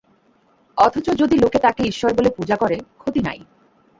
অথচ যদি লোকে তাঁকে ঈশ্বর বলে পূজা করে, ক্ষতি নাই।